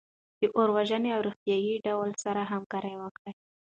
د اور وژنې او روغتیایي ډلو سره همکاري وکړئ.